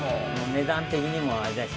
値段的にもあれだし。